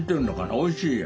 おいしいよ。